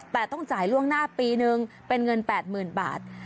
แต่ต้องจ่ายล่วงหน้าปีนึงเป็นเงิน๘๐๐๐บาท